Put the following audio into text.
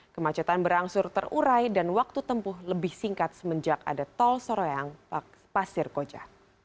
kemacetan berangsur terurai dan waktu tempuh lebih singkat semenjak ada tol soroyang pasir koja